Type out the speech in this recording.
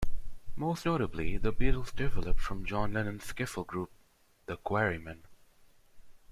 Most notably, the Beatles developed from John Lennon's skiffle group the Quarrymen.